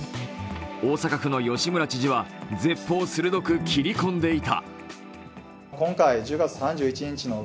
大阪府の吉村知事は舌ぽう鋭く切り込んでいた。